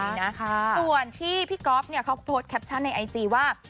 ส่วนที่พี่ก๊อฟเนี่ยเขาโพสต์แคปชั่นในไอจีว่า